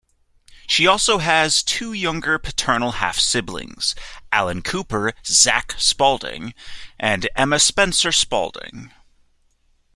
She also has two younger paternal half-siblings, Alan Cooper "Zach" Spaulding and Emma Spencer-Spaulding.